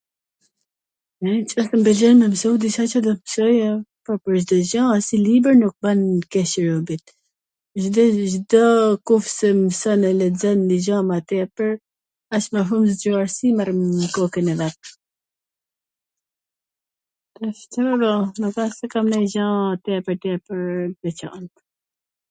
E , nwqoftse mw pwleqn me msu di qw do t pwlqeja ? Po, pwr nder, asnjw gja a asnjw libwr nuk i bwn keq robit, Cdo kush qw mson, lexon, dwgjon diCka ma tepwr, aq mw shum zgjuarsi merr nw kokwn e vet. Ca me ba, nuk asht se kam nanj gja tepwr tepwr t veCant.